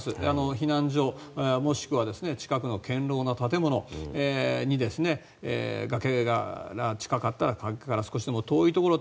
避難所もしくは近くの堅牢な建物に崖から近かったら崖から少しでも遠いところ。